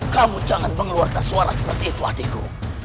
kamu jangan mengeluarkan suara seperti itu hatiku